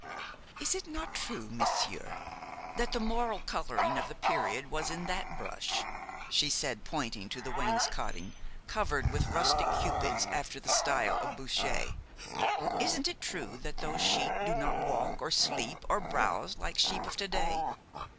"Is it not true, monsieur, that the moral coloring of the period was in that brush?" she said, pointing to the wainscoting, covered with rustic cupids after the style of Boucher. "Isn't it true that those sheep do not walk or sleep or browse like sheep of to day?